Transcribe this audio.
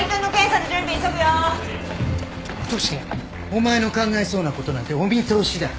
お前の考えそうなことなんてお見通しだ。